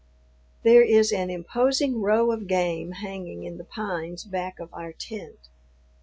There is an imposing row of game hanging in the pines back of our tent.